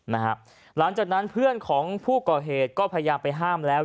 หลังจากนั้นเพื่อนของผู้ก่อเหตุก็พยายามไปห้ามแล้ว